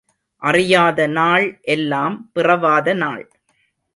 அறியாத நாள் எல்லாம் பிறவாத நாள்.